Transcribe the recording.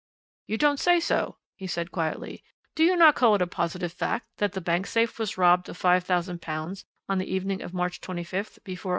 "You don't say so?" he said quietly. "Do you not call it a positive fact that the bank safe was robbed of £5000 on the evening of March 25th before 11.